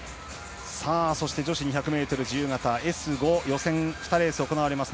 そして女子２００ｍ自由形Ｓ５、予選２レース行われます。